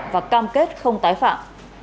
và cam kết không tái phạm